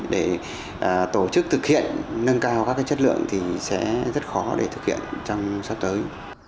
để tổ chức thực hiện nâng cao các chất lượng thì sẽ rất khó để thực hiện trong sắp tới